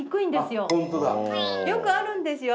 よくあるんですよ。